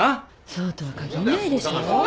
そうとは限んないでしょう。